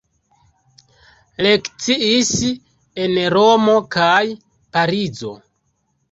Lekciis en Romo kaj Parizo.